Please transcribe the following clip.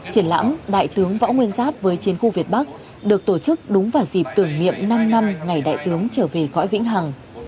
triển lãm đại tướng võ nguyên giáp với chiến khu việt bắc được tổ chức đúng vào dịp tưởng niệm năm năm ngày đại tướng trở về cõi vĩnh hằng